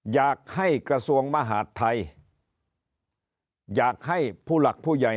อยากให้กระทรวงมหาดไทยอยากให้ผู้หลักผู้ใหญ่